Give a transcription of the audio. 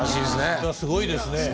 すごいですね。